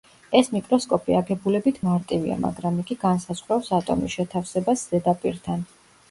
ეს მიკროსკოპი აგებულებით მარტივია, მაგრამ იგი განსაზღვრავს ატომის შეთავსებას ზედაპირთან.